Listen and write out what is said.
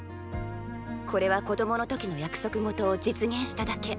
これは子供の時の約束事を実現しただけ。